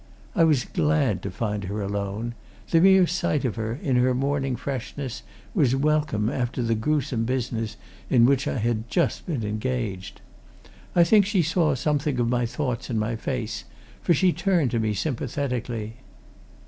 I was glad to find her alone; the mere sight of her, in her morning freshness, was welcome after the gruesome business in which I had just been engaged. I think she saw something of my thoughts in my face, for she turned to me sympathetically.